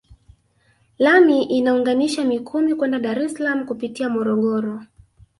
Lami inaunganisha Mikumi kwenda Dar es Salaam kupitia Morogoro